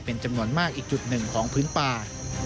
เป็นจำนวนมากอีกจุดหนึ่งของพื้นป่า